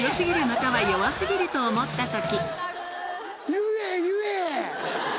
言え言え！